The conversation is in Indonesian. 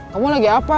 kamu lagi apa